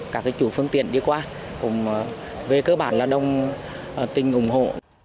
các cái chủ phương tiện đi qua cũng về cơ bản là đông tình ủng hộ